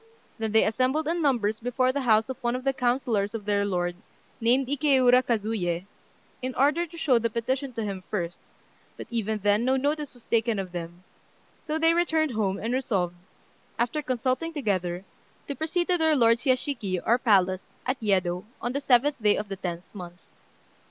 Then they assembled in numbers before the house of one of the councillors of their lord, named Ikéura Kazuyé, in order to show the petition to him first, but even then no notice was taken of them; so they returned home, and resolved, after consulting together, to proceed to their lord's yashiki, or palace, at Yedo, on the seventh day of the tenth month.